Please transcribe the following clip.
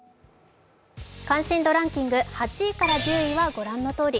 関心度ランキング８位から１０位はご覧のとおり。